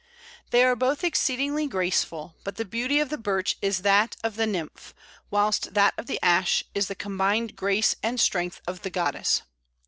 They are both exceedingly graceful, but the beauty of the Birch is that of the nymph, whilst that of the Ash is the combined grace and strength of the goddess.